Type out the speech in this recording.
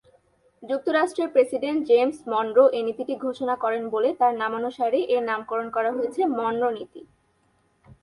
যুক্তরাষ্ট্রের president James Monroe এ নীতিটি ঘোষণা করেন বলে তার নামানুসারে এর নামকরণ হয়েছে মনরো নীতি।